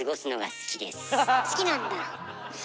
好きなんだ。